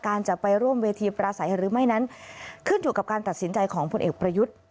จะไปร่วมเวทีประสัยหรือไม่นั้นขึ้นอยู่กับการตัดสินใจของพลเอกประยุทธ์